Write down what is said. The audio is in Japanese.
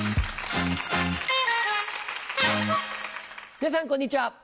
皆さんこんにちは。